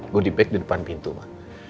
gue dipek di depan pintu ma